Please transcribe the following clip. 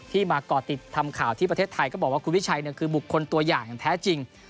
มาก่อติดทำข่าวที่ประเทศไทยก็บอกว่าคุณวิชัยคือบุคคลตัวอย่างอย่างแท้จริง